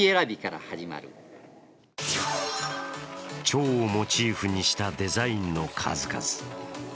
ちょうをモチーフにしたデザインの数々。